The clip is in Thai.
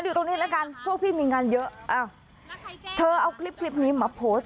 ดูตรงนี้แล้วกันพวกพี่มีงานเยอะเธอเอาคลิปนี้มาโพสต์